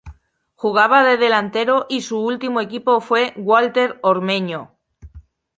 Jugaba de delantero y su último equipo fue Walter Ormeño.